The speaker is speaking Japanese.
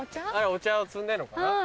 お茶を摘んでんのかな。